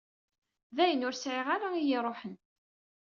Dayen, ur sɛiɣ ara y-iruḥen.